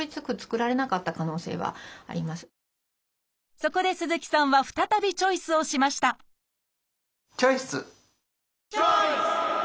そこで鈴木さんは再びチョイスをしましたチョイス！